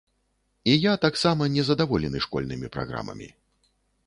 І я таксама незадаволены школьнымі праграмамі.